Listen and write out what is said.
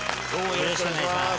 よろしくお願いします。